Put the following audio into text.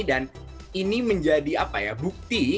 dan ini menjadi bukti